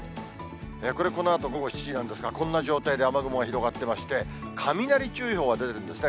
これ、このあと午後７時なんですが、こんな状態で雨雲が広がってまして、雷注意報が出ているんですね。